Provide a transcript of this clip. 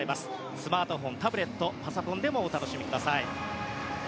スマートフォン、タブレットパソコンでもお楽しみください。